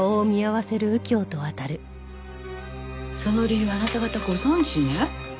その理由をあなた方ご存じね？